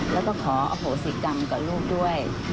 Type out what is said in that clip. แล้วก็ขออโหสิกรรมกับลูกด้วย